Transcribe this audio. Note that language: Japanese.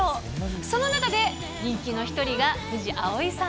その中で人気の一人が富士葵さん